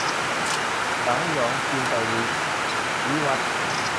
สางสยอง - จินตวีร์ วิวัธน์